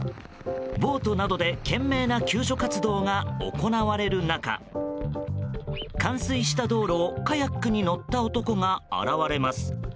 ボートなどで懸命な救助活動が行われる中冠水した道路をカヤックに乗った男が現れます。